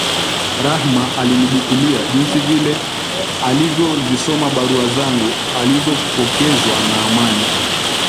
Rahma alinibukulia jinsi vile alivyozisoma barua zangu alizopokezwa na Amina